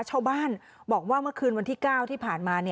ชาวบ้านบอกว่าเมื่อคืนวันที่๙ที่ผ่านมา